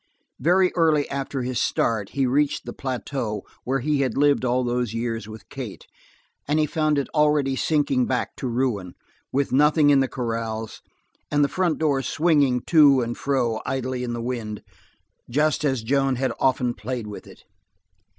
Very early after his start he reached the plateau where he had lived all those years with Kate, and he found it already sinking back to ruin, with nothing in the corrals, and the front door swinging to and fro idly in the wind, just as Joan had often played with it.